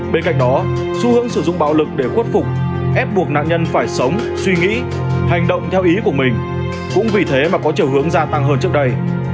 bên cạnh đó xu hướng sử dụng bạo lực để khuất phục ép buộc nạn nhân phải sống suy nghĩ hành động theo ý của mình cũng vì thế mà có chiều hướng gia tăng hơn trước đây